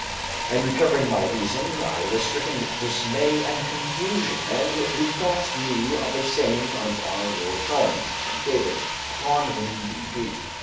And recovering my reason I was stricken with dismay and confusion, and bethought me of a saying of our lord Solomon, son of David, (upon whom be Peace!)